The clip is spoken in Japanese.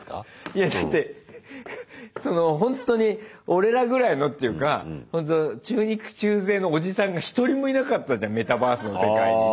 いやだってほんとに俺らぐらいのっていうか中肉中背のおじさんが一人もいなかったじゃんメタバースの世界に。